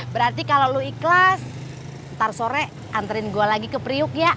berarti kalau lo ikhlas ntar sore anterin gue lagi ke priuk ya